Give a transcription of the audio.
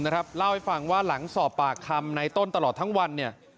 เล่าให้ฟังว่าหลังสอบปากค่ะมนายต้นถ้างวัน